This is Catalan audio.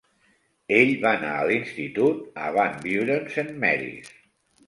Ell va anar a l'institut a Van Buren's Saint Mary's.